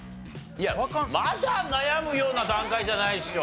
まだ悩むような段階じゃないでしょ。